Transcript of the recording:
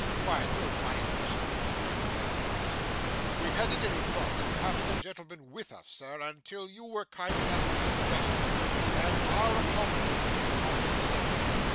'Why, we'll buy another stool, sir,' returned Brass. 'We hadn't any thoughts of having a gentleman with us, sir, until you were kind enough to suggest it, and our accommodation's not extensive.